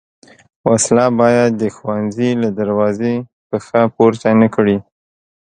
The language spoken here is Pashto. وسله باید د ښوونځي له دروازې پښه پورته نه کړي